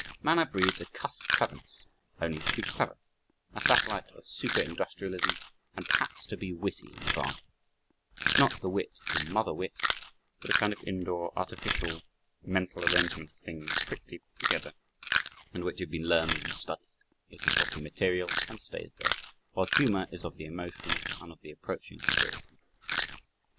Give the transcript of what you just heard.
Manner breeds a cussed cleverness only to be clever a satellite of super industrialism, and perhaps to be witty in the bargain, not the wit in mother wit, but a kind of indoor, artificial, mental arrangement of things quickly put together and which have been learned and studied it is of the material and stays there, while humor is of the emotional and of the approaching spiritual.